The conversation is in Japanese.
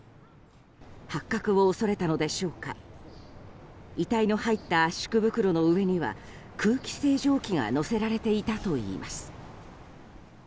発覚を恐れたのでしょうか遺体の入った圧縮袋の上には空気清浄機が載せられていたといいます。